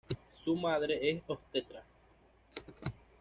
Su madre es obstetra.